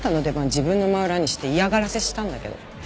自分の真裏にして嫌がらせしたんだけど。